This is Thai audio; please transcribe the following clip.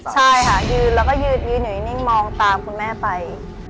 ใช่ค่ะยืนแล้วก็ยืนอยู่นิ่งมองตามคุณแม่ไป